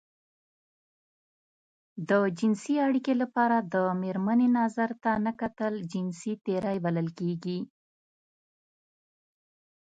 د جنسي اړيکې لپاره د مېرمنې نظر ته نه کتل جنسي تېری بلل کېږي.